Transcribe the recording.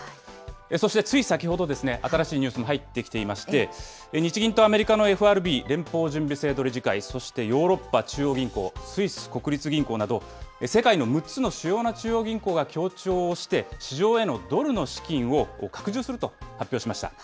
そしてつい先ほどですね、新しいニュースが入ってきていまして、日銀とアメリカのＦＲＢ・連邦準備制度理事会、そしてヨーロッパ中央銀行、スイス国立銀行など、世界の６つの主要な中央銀行が協調して、市場へのドルの資金を拡充すると発表しました。